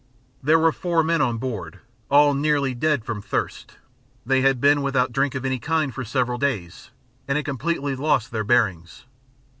There were four men on board, all nearly dead from thirst; they had been without drink of any kind for several days and had completely lost their bearings.